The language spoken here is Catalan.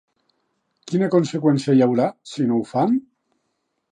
Quina conseqüència hi haurà, si no ho fan?